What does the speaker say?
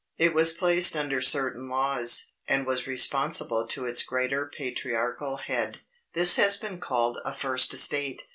It was placed under certain laws, and was responsible to its great Patriarchal Head. This has been called a "First Estate."